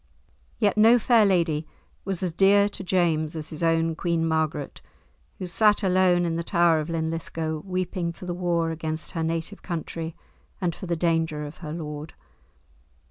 Yet no fair lady was as dear to James as his own Queen Margaret, who sat alone in the tower of Linlithgow weeping for the war against her native country, and for the danger of her lord.